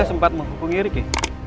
anda sempat menghubungi riki